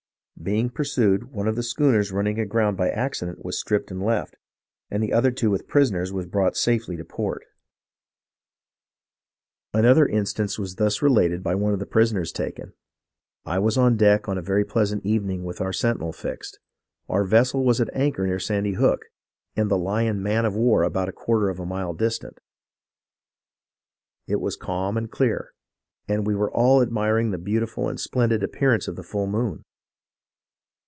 Being pursued, one of the schooners running aground by accident was stripped and left, and the other with two prisoners was brought safely to port." 282 HISTORY OF THE AMERICAN ilEVOLUTION Another instance was thus related by one of the pris oners taken :" I was on deck on a very pleasant evening with our sentinel fixed. Our vessel was at anchor near Sandy Hook and the Lion man of war about a quarter of a mile distant. It was calm and clear, and we were all admir ing the beautiful and splendid appearance of the full moon.